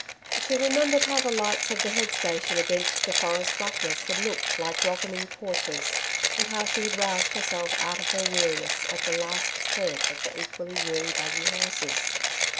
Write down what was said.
She remembered how the lights of the head station against the forest blackness had looked like welcoming torches and how she had roused herself out of her weariness at the last spurt of the equally weary buggy horses.